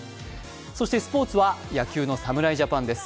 そしてスポーツは野球の侍ジャパンです。